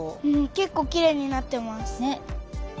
けっこうきれいになってます。